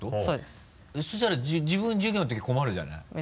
そしたら自分授業のとき困るじゃない。